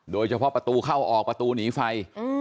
โดยเฉพาะประตูเข้าออกประตูหนีไฟ